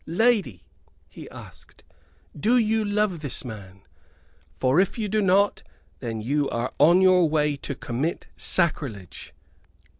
"Lady," he asked, "do you love this man? For if you do not then you are on your way to commit sacrilege."